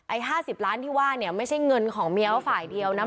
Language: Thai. ๕๐ล้านที่ว่าเนี่ยไม่ใช่เงินของเมียเขาฝ่ายเดียวนะ